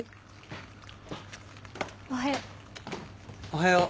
おはよう。